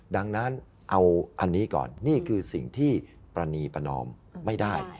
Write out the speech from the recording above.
ดังนั้นเอาอันนี้ก่อนนี่คือสิ่งที่ประณีประนอมไม่ได้